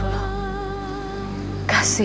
pasti dia selat dua